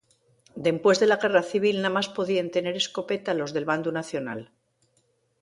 Dempués de la guerra civil namás podíen tener escopeta los del bandu nacional.